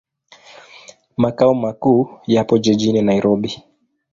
Makao makuu yapo jijini Nairobi.